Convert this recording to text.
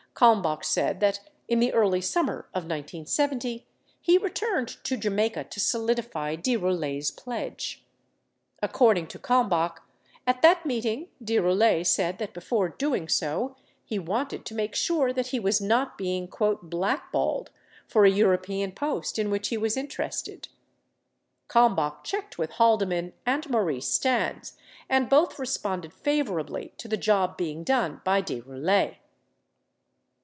Kalmbach said that in the early summer of 1970, he returned to Jamaica to solidify De Roulet's pledge. According to Kalmbach, at that meeting, De Roulet said that before doing so, he wanted to make sure that he was not being "blackballed" for a European post in which he was interested. Kalmbach checked with Haldeman and Maurice Stans and both responded favorably to the job being done by De Roulet.